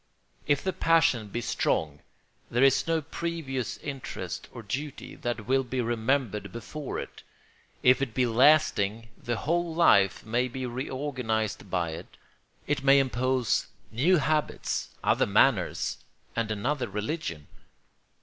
If the passion be strong there is no previous interest or duty that will be remembered before it; if it be lasting the whole life may be reorganised by it; it may impose new habits, other manners, and another religion.